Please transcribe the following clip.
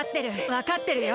わかってるよ。